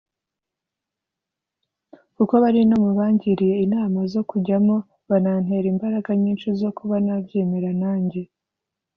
kuko bari no mu bangiriye inama zo kujyamo banantera imbaraga nyinshi zo kuba nabyemera nanjye